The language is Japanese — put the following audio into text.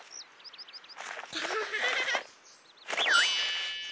アハハハハ。